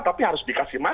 tapi harus dikasih ke rumah